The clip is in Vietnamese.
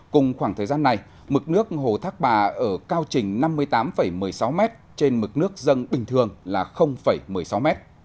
cùng khoảng thời gian này mực nước hồ thác bà ở cao trình năm mươi tám một mươi sáu m trên mực nước dân bình thường là một mươi sáu m